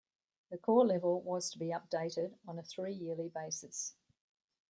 The core level was to be updated on a three-yearly basis.